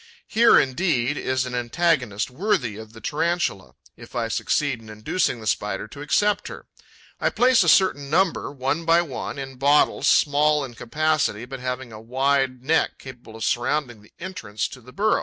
Here indeed is an antagonist worthy of the Tarantula, if I succeed in inducing the Spider to accept her. I place a certain number, one by one, in bottles small in capacity, but having a wide neck capable of surrounding the entrance to the burrow.